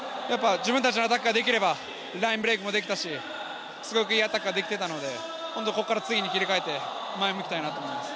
自分たちのアタックができればラインブレイクもできたし、いいアタックができていたので、ここから次に切り替えて前を向きたいと思います。